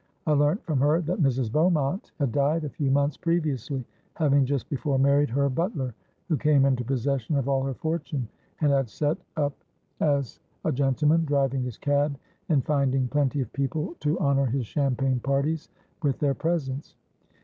I learnt from her that Mrs. Beaumont had died a few months previously, having just before married her butler, who came into possession of all her fortune and had set up as a gentleman, driving his cab and finding plenty of people to honour his champagne parties with their presence.